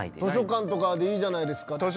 図書館とかでいいじゃないですか。